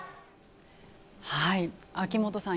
秋元さん